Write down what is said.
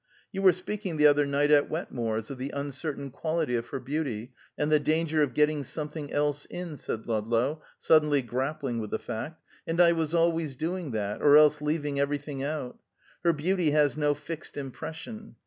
You were speaking the other night at Wetmore's, of the uncertain quality of her beauty, and the danger of getting something else in," said Ludlow, suddenly grappling with the fact, "and I was always doing that, or else leaving everything out. Her beauty has no fixed impression.